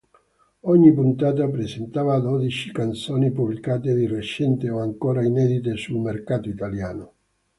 Ogni puntata presentava dodici canzoni, pubblicate di recente o ancora inedite sul mercato italiano.